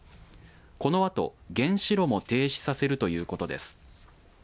このあと原子炉も停止させるということです。